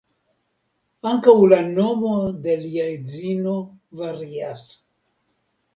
Ankaŭ la nomo de lia edzino varias.